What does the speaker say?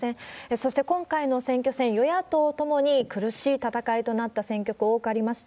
そして今回の選挙戦、与野党ともに苦しい戦いとなった選挙区、多くありました。